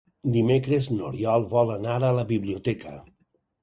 Dimecres n'Oriol vol anar a la biblioteca.